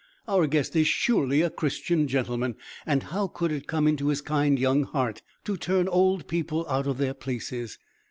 Our guest is surely a Christian gentleman, and how could it come into his kind young heart to turn old people out of their places?